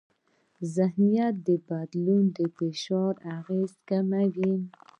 ذهنیت بدلون د فشار اغېزې کموي.